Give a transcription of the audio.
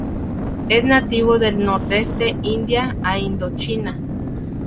Es nativo del nordeste India a Indochina.